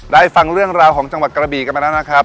ได้ฟังเรื่องราวของจังหวัดกระบีกันมาแล้วนะครับ